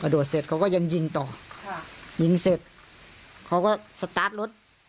โดดเสร็จเขาก็ยังยิงต่อค่ะยิงเสร็จเขาก็สตาร์ทรถ